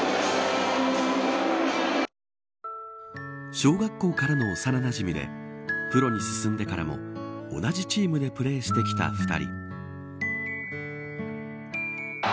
小学校からの幼なじみでプロに進んでからも同じチームでプレーしてきた２人。